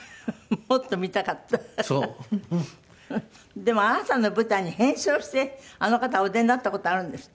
でもあなたの舞台に変装してあの方がお出になった事あるんですって？